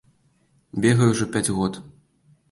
Бегаю ўжо пяць год.